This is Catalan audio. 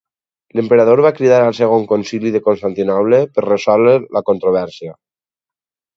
L'emperador va cridar al Segon Concili de Constantinoble per resoldre la controvèrsia.